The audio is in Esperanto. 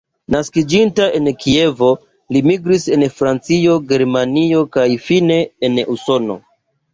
Naskiĝinta en Kievo, li migris en Francion, Germanion kaj fine en Usonon.